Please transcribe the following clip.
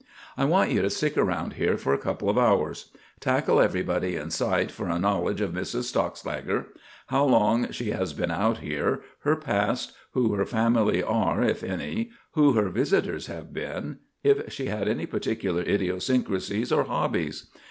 "I want you to stick around here for a couple of hours. Tackle everybody in sight for a knowledge of Mrs. Stockslager; how long she has been out here, her past, who her family are if any, who her visitors have been; if she had any particular idiosyncrasies or hobbies.